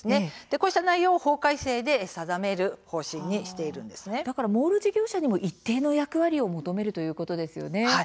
こうした内容を法改正でだからモール事業者にも一定に役割を求めるということですね。